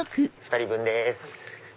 ２人分です。